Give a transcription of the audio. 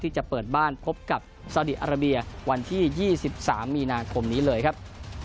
จะเปิดบ้านพบกับซาดีอาราเบียวันที่๒๓มีนาคมนี้เลยครับ